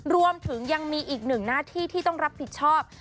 รวมถึงยังมีอีกหนึ่งหน้าที่ที่ต้องรับผิดชอบ